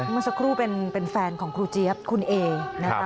เมื่อสักครู่เป็นแฟนของครูเจี๊ยบคุณเอนะคะ